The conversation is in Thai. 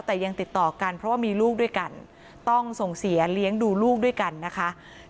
แต่ยังติดต่อกันเพราะว่ามีลูกด้วยกันต้องส่งเสียเลี้ยงดูลูกด้วยกันนะคะ